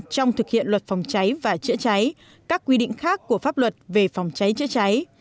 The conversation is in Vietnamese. trong thực hiện luật phòng cháy và chữa cháy các quy định khác của pháp luật về phòng cháy chữa cháy